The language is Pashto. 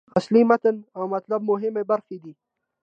اصلي متن او مطلب مهمې برخې دي.